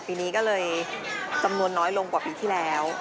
ปีนี้ก็เลยจำนวนน้อยลงกว่าปีที่แล้ว